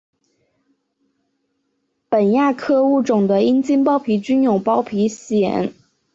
本亚科物种的阴茎包皮均有包皮腺。